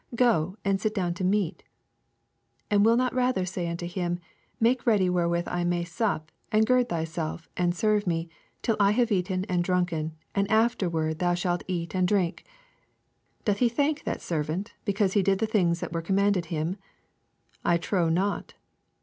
Go and pit down to meat ? 8 And will not rather say unto him, Make ready wherewith I may sup, and gird thyself, and serve me, till I have eaten and drunken : and after* ward thou shaJt eat and drink ? 9 Doth he thank that servant be« cause he did the things that were commanded him ? I trow not.